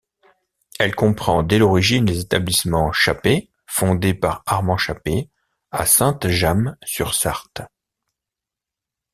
Elle comprend dès l'origine les établissements Chappée fondés par Armand Chappée à Sainte-Jamme-sur-Sarthe.